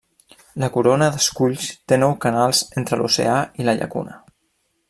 La corona d'esculls té nou canals entre l'oceà i la llacuna.